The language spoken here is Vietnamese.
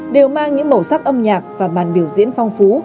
đều mang những màu sắc âm nhạc và màn biểu diễn phong phú